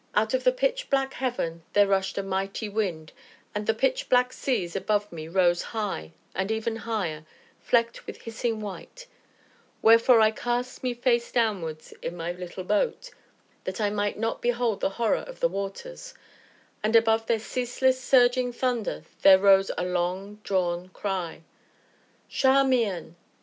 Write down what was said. Out of the pitch black heaven there rushed a mighty wind, and the pitch black seas above me rose high, and ever higher, flecked with hissing white; wherefore I cast me face downwards in my little boat, that I might not behold the horror of the waters; and above their ceaseless, surging thunder there rose a long drawn cry: "Charmian!"